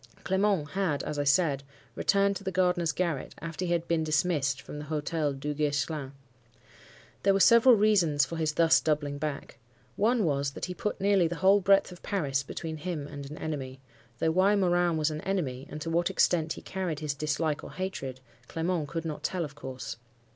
Clement had, as I said, returned to the gardener's garret after he had been dismissed from the Hotel Duguesclin. There were several reasons for his thus doubling back. One was, that he put nearly the whole breadth of Paris between him and an enemy; though why Morin was an enemy, and to what extent he carried his dislike or hatred, Clement could not tell, of course.